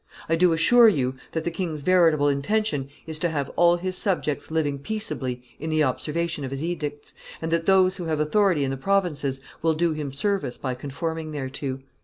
I do assure you that the king's veritable intention is to have all his subjects living peaceably in the observation of his edicts, and that those who have authority in the provinces will do him service by conforming thereto."